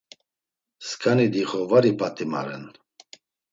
Sǩani dixo var ip̌at̆imaren.